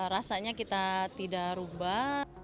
rasanya kita tidak rubah